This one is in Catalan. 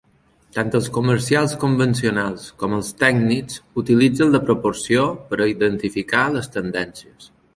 Tant els comerciants convencionals com els tècnics utilitzen la proporció per a identificar les tendències.